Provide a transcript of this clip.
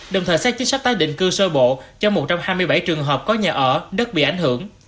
đồng thời xét chính sách tái định cư sơ bộ cho một trăm hai mươi bảy trường hợp có nhà ở đất bị ảnh hưởng